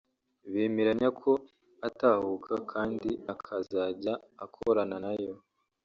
bemeranya ko atahuka kandi akazajya akorana nayo